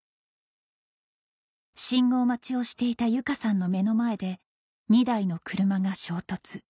信号待ちをしていた由佳さんの目の前で２台の車が衝突